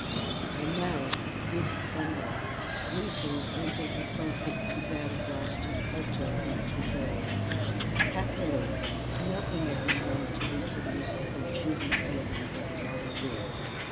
And now this Sunday, Wingfold entered the pulpit prepared at last to utter his resolve. Happily nothing had been done to introduce the confusing element of another will.